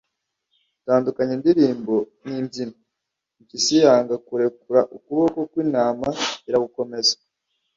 tandukanya indirimbo n’imbyino. impyisi yanga kurekura ukuboko kw’intama iragukomeza.